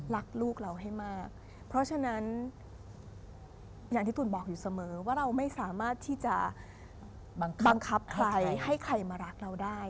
รักลูกเราให้มากเพราะฉะนั้นอย่างที่ตุ๋นบอกอยู่เสมอว่าเราไม่สามารถที่จะบังคับใครให้ใครมารักเราได้